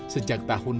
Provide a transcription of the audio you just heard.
sejak tahun dua ribu